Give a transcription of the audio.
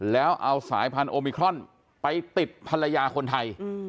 แล้วเอาสายพันธุมิครอนไปติดภรรยาคนไทย